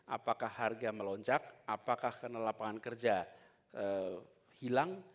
apakah harga melonjak apakah karena lapangan kerja hilang